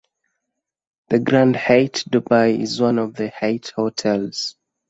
The Grand Hyatt Dubai is one of the Hyatt hotels.